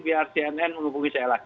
biar cnn menghubungi saya lagi